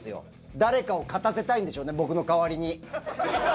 誰かを勝たせたいんでしょうね、僕の代わりに。